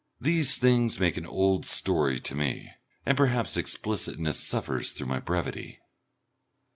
These things make an old story to me, and perhaps explicitness suffers through my brevity.